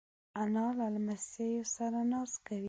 انا له لمسیو سره ناز کوي